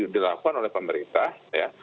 dilakukan oleh pemerintah ya